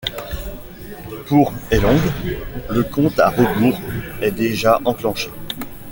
Pour Eelong, le compte à rebours est déjà enclenché.